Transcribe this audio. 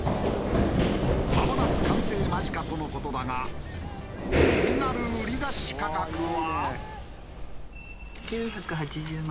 まもなく完成間近との事だが気になる売り出し価格は。